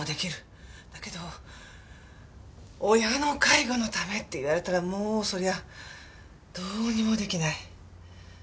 だけど親の介護のためって言われたらもうそりゃあどうにも出来ない。